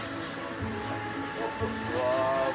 うわ。